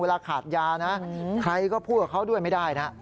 เวลาขาดยานะใครก็พูดกับเขาด้วยไม่ได้นะ